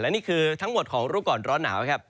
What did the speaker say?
นี่คือทั้งหมดของรู้ก่อนร้อนหนาวครับ